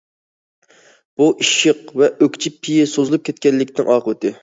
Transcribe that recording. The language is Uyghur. بۇ ئىششىق ۋە ئۆكچە پېيى سوزۇلۇپ كەتكەنلىكنىڭ ئاقىۋىتى.